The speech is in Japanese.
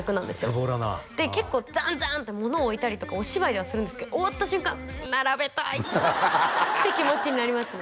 ずぼらなで結構ザンッザンッて物を置いたりとかお芝居はするんですけど終わった瞬間並べたいって気持ちになりますね